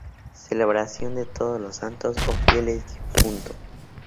Celebración de Todos los Santos o Fieles Difuntos.